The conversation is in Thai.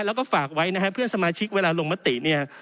แล้วก็ฝากไว้นะฮะเพื่อนสมาชิกเวลาลงมติเนี่ย